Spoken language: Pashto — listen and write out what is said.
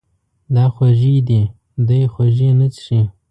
دا خوږې دي، دی خوږې نه څښي.